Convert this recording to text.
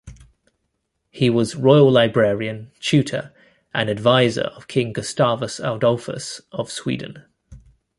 He was royal librarian, tutor, and adviser of King Gustavus Adolphus of Sweden.